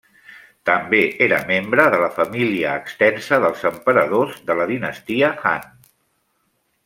També era membre de la família extensa dels emperadors de la dinastia Han.